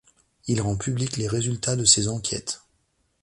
Il rend publics les résultats de ses enquêtes.